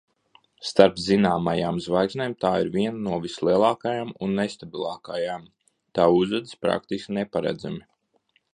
Starp zināmajām zvaigznēm tā ir viena no vislielākajām un nestabilākajām, tā uzvedas praktiski neparedzami.